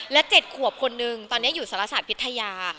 และ๗ขวบคนนึงตอนนี้อยู่สารศาสตร์พิทยา